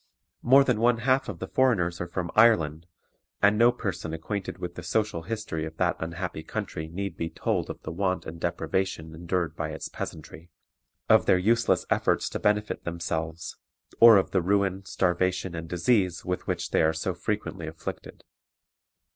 More than one half of the foreigners are from Ireland, and no person acquainted with the social history of that unhappy country need be told of the want and deprivation endured by its peasantry, of their useless efforts to benefit themselves, or of the ruin, starvation, and disease with which they are so frequently afflicted.